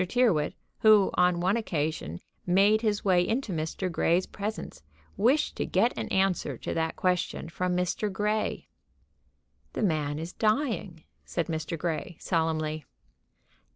Tyrrwhit, who on one occasion made his way into Mr. Grey's presence, wished to get an answer to that question from Mr. Grey. "The man is dying," said Mr. Grey, solemnly.